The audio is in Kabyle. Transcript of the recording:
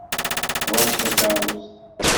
Ɣur-k takeṛṛust!